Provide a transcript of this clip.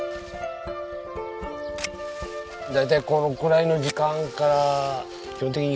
大体このくらいの時間から基本的に。